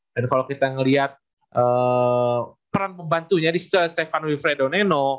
dan kalau kita melihat peran pembantunya di situ ada stefano ifredo neno